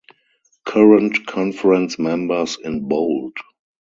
"Current conference members in bold"